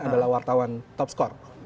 adalah wartawan top score